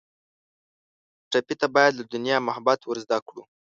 ټپي ته باید له دنیا محبت ور زده کړو.